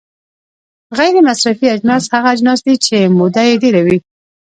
غیر مصرفي اجناس هغه اجناس دي چې موده یې ډیره وي.